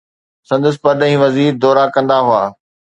سندس پرڏيهي وزير دورا ڪندا هئا.